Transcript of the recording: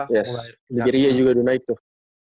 yes digeria juga udah naik tuh